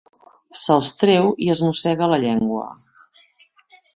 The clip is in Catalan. Se'ls treu i es mossega la llengua.